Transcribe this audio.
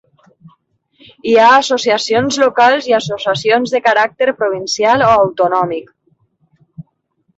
Hi ha associacions locals i associacions de caràcter provincial o autonòmic.